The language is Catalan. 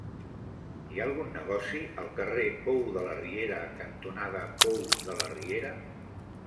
Hi ha algun negoci al carrer Pou de la Riera cantonada Pou de la Riera?